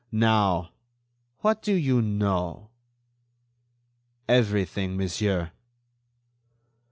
Now, what do you know?" "Everything, monsieur."